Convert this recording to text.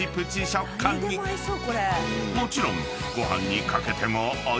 ［もちろん］